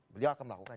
beliau akan melakukan